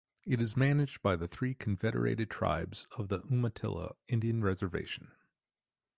It is managed by the three Confederated Tribes of the Umatilla Indian Reservation.